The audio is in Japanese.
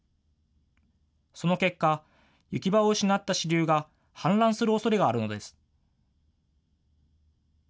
その結果、行き場を失った支流が氾濫するおそれがあるのです。